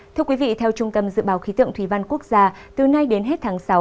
thưa quý vị theo trung tâm dự báo khí tượng thủy văn quốc gia từ nay đến hết tháng sáu